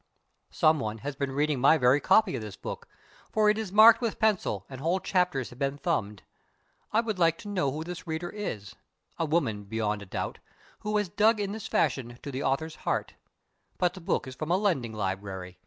Someone has been reading my very copy of this book, for it is marked with pencil and whole chapters have been thumbed. I would like to know who this reader is a woman, beyond a doubt who has dug in this fashion to the author's heart. But the book is from a lending library.